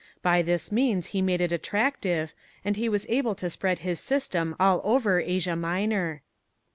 By this means he made it attractive, and he was able to spread his system all over Asia Minor."